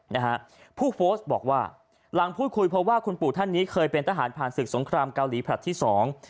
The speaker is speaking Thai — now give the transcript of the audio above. นะฮะผู้โพสต์บอกว่าหลังพูดคุยเพราะว่าคุณปู่ท่านนี้เคยเป็นทหารผ่านศึกสงครามเกาหลีผลัดที่สอง